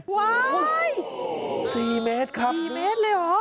โอ้โห๔เมตรครับโอ้โห๔เมตรเลยเหรอ